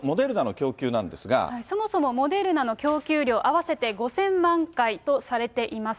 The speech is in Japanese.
そもそもモデルナの供給量、合わせて５０００万回とされています。